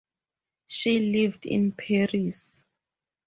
She lived in Paris.